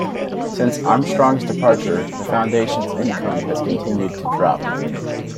Since Armstrong's departure, the foundation's income has continued to drop.